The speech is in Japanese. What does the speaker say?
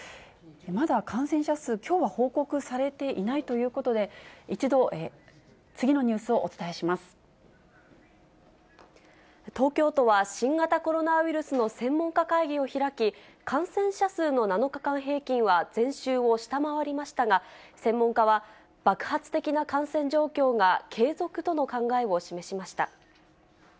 まだ感染者数、きょうは報告されていないということで、一度、次のニュースをお東京都は、新型コロナウイルスの専門家会議を開き、感染者数の７日間平均は前週を下回りましたが、専門家は、爆発的な感染状況が継続との考えを示しました。